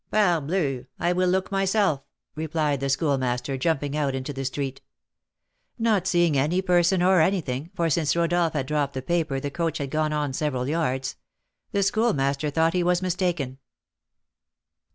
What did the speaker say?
"Parbleu! I will look myself," replied the Schoolmaster, jumping out into the street. Not seeing any person or anything (for since Rodolph had dropped the paper the coach had gone on several yards), the Schoolmaster thought he was mistaken.